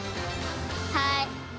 はい。